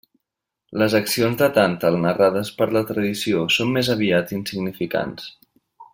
Les accions de Tàntal narrades per la tradició són més aviat insignificants.